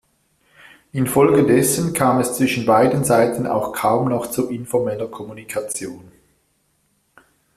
Infolgedessen kam es zwischen beiden Seiten auch kaum noch zu informeller Kommunikation.